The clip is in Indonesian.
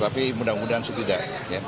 tapi mudah mudahan setidaknya